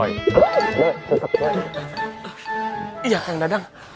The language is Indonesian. ya kang dadang